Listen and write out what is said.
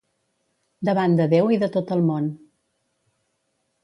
Davant de Déu i de tot el món.